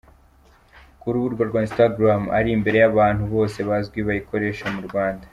Ku rubuga rwa Instagram ari imbere y’abantu bose bazwi bayikoresha mu Rwanda.